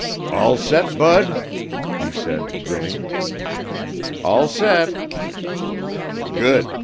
"All set, Bud?" he said, grinning. "All set." "Good.